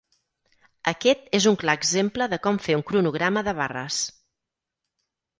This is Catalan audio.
Aquest és un clar exemple de com fer un cronograma de barres.